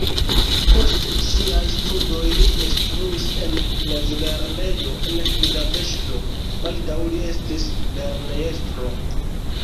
Post siaj studoj li instruis en mezlernejo en Budapeŝto, baldaŭ li estis lernejestro.